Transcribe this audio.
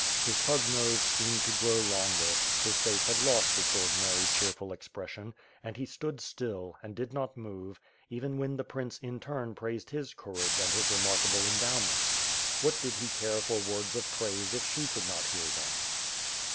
His pug nose seemed to grow longer, his face had lost its ordinary cheerful expression, and he stood still, and did not move, even when the prince in turn praised his courage and his remark able endowments. What did he care for words of praise if she could not hear them?